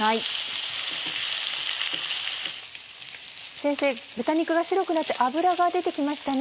先生豚肉が白くなって脂が出て来ましたね。